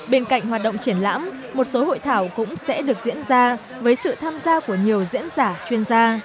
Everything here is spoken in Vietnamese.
bên cạnh hoạt động triển lãm một số hội thảo cũng sẽ được diễn ra với sự tham gia của nhiều diễn giả chuyên gia